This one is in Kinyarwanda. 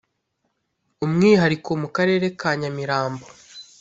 umwihariko mu karere ka nyamirambo